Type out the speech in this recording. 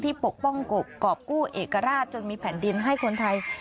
ปกป้องกรอบกู้เอกราชจนมีแผ่นดินให้คนไทย